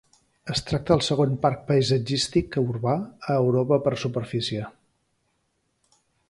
Es tracta del segon parc paisatgístic urbà a Europa per superfície.